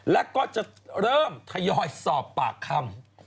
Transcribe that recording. แล้วก็จะเริ่มทยอยสอบปากคำ